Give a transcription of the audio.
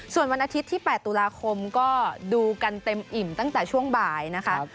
ส่วนวันอาทิตย์ที่๘ตุลาคมก็ดูกันเต็มอิ่มตั้งแต่ช่วงบ่ายนะคะ